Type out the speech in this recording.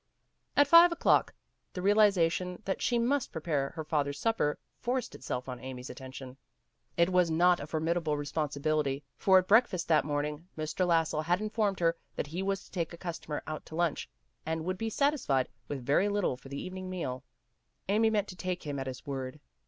At five o'clock the realization that she must prepare her father's supper forced itself on Amy's attention. It was not a formidable re WHAT'S IN A NAME? sponsibility, for at breakfast that morning Mr. Lassell had informed her that he was to take a customer out to lurfch and would be satisfied with very little for the evening meal. Amy meant to take him at his word.